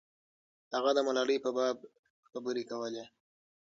هغه د ملالۍ په باب خبرې کولې.